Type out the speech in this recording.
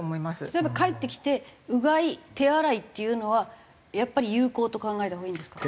例えば帰ってきてうがい手洗いっていうのはやっぱり有効と考えたほうがいいんですか？